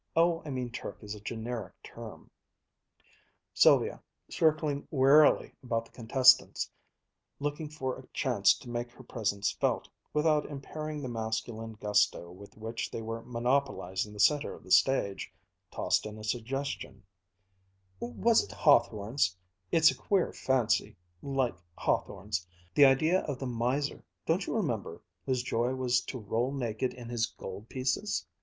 "Oh, I mean Turk as a generic term." Sylvia, circling warily about the contestants, looking for a chance to make her presence felt, without impairing the masculine gusto with which they were monopolizing the center of the stage, tossed in a suggestion, "Was it Hawthorne's it's a queer fancy like Hawthorne's the idea of the miser, don't you remember, whose joy was to roll naked in his gold pieces?"